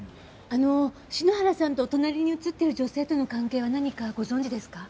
あの篠原さんと隣に写っている女性との関係は何かご存じですか？